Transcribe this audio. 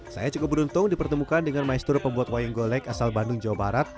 saya cukup beruntung dipertemukan dengan maestro pembuat wayang golek asal bandung jawa barat